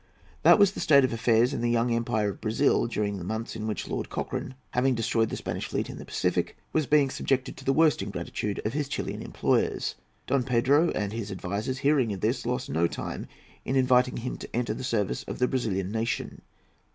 That was the state of affairs in the young empire of Brazil during the months in which Lord Cochrane, having destroyed the Spanish fleet in the Pacific, was being subjected to the worst ingratitude of his Chilian employers. Don Pedro and his advisers, hearing of this, lost no time in inviting him to enter the service of the Brazilian nation.